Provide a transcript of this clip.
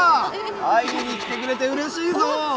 会いに来てくれてうれしいぞ。